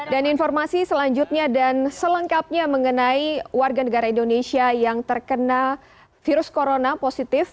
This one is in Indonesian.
dan informasi selanjutnya dan selengkapnya mengenai warga negara indonesia yang terkena virus corona positif